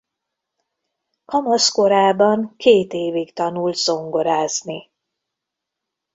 Kamasz korában két évig tanult zongorázni.